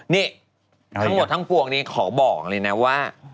นี่ทั้งหมดทั้งปวงนี้ขอบอกเลยนะว่า